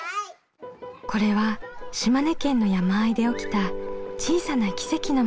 これは島根県の山あいで起きた小さな奇跡の物語。